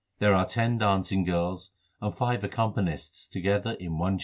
1 There are ten dancing girls 2 and five accompanists 3 together in one chamber.